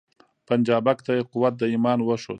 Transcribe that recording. پنجابک ته یې قوت د ایمان وښود